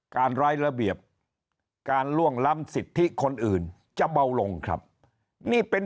ร้ายระเบียบการล่วงล้ำสิทธิคนอื่นจะเบาลงครับนี่เป็น